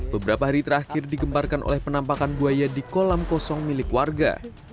beberapa hari terakhir digemparkan oleh penampakan buaya di kolam kosong milik warga